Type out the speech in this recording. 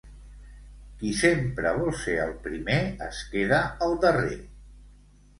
Qui sempre vol ser el primer, es queda el darrer.